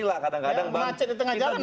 ya macet di tengah jalan